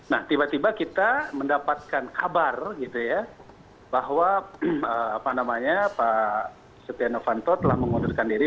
nah tiba tiba kita mendapatkan kabar gitu ya bahwa pak setia novanto telah mengundurkan diri